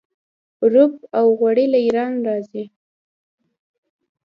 رب او غوړي له ایران راځي.